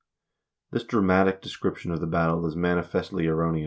This dramatic description of the battle is manifestly erroneous.